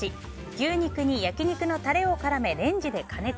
牛肉に焼き肉のタレを絡めレンジで加熱。